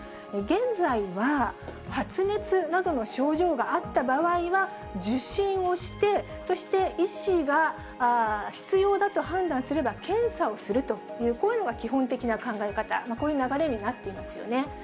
現在は、発熱などの症状があった場合は、受診をして、そして医師が必要だと判断すれば検査をすると、こういうのが基本的な考え方、こういう流れになっていますよね。